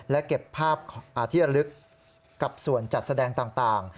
และเก็บภาพที่ระลึกกับส่วนจัดแสดงต่าง